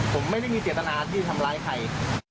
ก็ไม่ได้ยินทีจะทำลายใคร